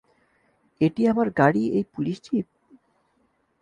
এটি আমার গাড়ি এই পুলিশ জীপ?